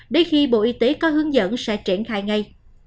đến khi bộ y tế có hướng dẫn sẽ triển khai ngay